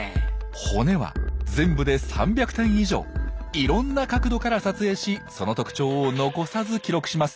骨は全部で３００点以上いろんな角度から撮影しその特徴を残さず記録します。